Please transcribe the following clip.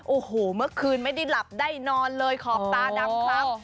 โอ้โหเมื่อคืนไม่ได้หลับได้นอนเลยขอบตาดำคล้ำ